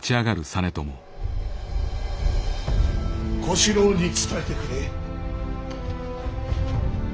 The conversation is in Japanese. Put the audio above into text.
小四郎に伝えてくれ。